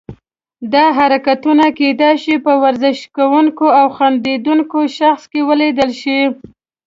دا حرکتونه کیدای شي په ورزش کوونکي او خندیدونکي شخص کې ولیدل شي.